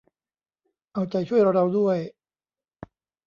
เอาใจช่วยเราด้วย